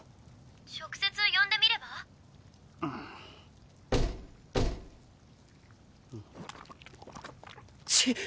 「直接呼んでみれば？」血！？